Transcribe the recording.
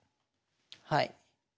はい。